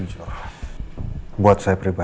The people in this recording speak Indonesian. lepaskan kerja mahaslip itu loh